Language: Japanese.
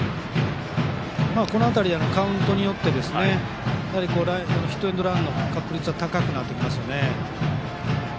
この辺りカウントによってヒットエンドランの確率も高くなりますね。